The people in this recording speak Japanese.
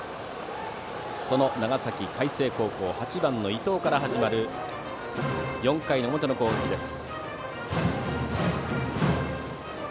その長崎・海星高校８番の伊藤から始まる４回の表の攻撃です。